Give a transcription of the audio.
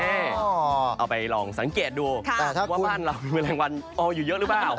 เอาไปลองสังเกตดูว่าบ้านเรามีรางวัลอยู่เยอะหรือเปล่า